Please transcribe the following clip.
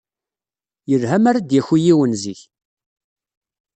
Yelha mi ara d-yaki yiwen zik.